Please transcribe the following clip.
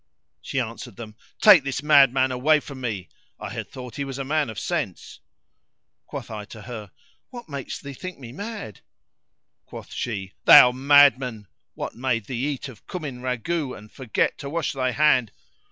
She answered them, "Take this mad man away from me: I had thought he was a man of sense!" Quoth I to her, "What makes thee think me mad?" Quoth she, "Thou madman' what made thee eat of cumin ragout and forget to wash thy hand?